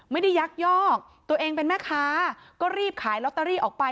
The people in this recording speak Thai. ยักยอกตัวเองเป็นแม่ค้าก็รีบขายลอตเตอรี่ออกไป